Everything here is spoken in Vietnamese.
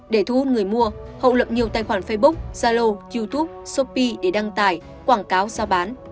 để thu hút người mua hậu lập nhiều tài khoản facebook zalo youtube shopee để đăng tải quảng cáo giao bán